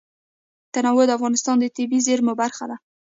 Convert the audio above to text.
تنوع د افغانستان د طبیعي زیرمو برخه ده.